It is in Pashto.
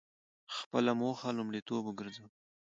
خپله موخه لومړیتوب وګرځوئ.